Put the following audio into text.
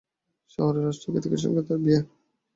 শহরে রাষ্ট্র কেতকীর সঙ্গে তার বিয়ে।